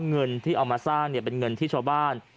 เงินที่เอามาสร้างเป็นเงินที่ชาวบ้าน